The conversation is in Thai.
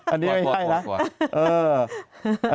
อันนี้ไม่ให้นะ